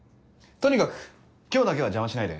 とにかく今日だけは邪魔しないで。